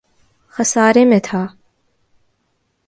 خسارے میں تھا